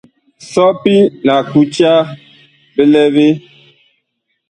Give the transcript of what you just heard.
Sɔpi la kuca bi lɛ vee ?